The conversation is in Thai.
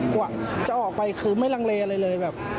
กว่าจะออกไปคือไม่ลังเลอะไรเลยแบบ